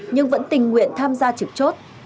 nhưng vẫn tình nguyện tham gia trực chốt